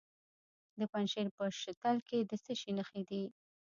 د پنجشیر په شتل کې د څه شي نښې دي؟